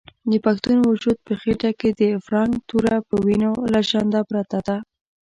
د پښتون وجود په خېټه کې د فرنګ توره په وینو لژنده پرته ده.